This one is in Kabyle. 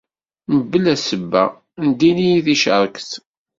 Mebla ssebba, ndin-iyi ticerket.